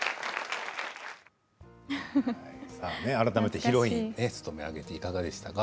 改めてヒロインを務められていかがでしたか？